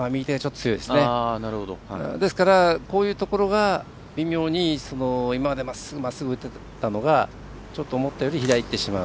ですからこういうところが微妙に今まで、まっすぐ、まっすぐ打ってたのがちょっと思ったより左にいってしまう。